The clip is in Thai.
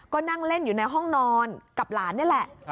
ก็นั่งเล่นอยู่ในห้องนอนกับหลานนี่แหละ